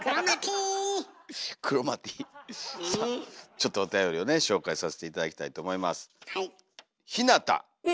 ちょっとおたよりをね紹介させて頂きたいと思います。